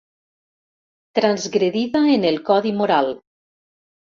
Transgredida en el codi moral.